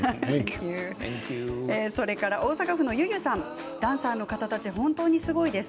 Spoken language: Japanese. それから大阪府の方ダンサーの方たち本当にすごいです。